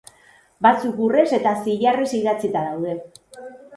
Batzuk urrez eta zilarrez idatzita daude.